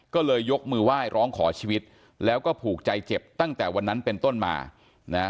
ก็เลยยกมือไหว้ร้องขอชีวิตแล้วก็ผูกใจเจ็บตั้งแต่วันนั้นเป็นต้นมานะ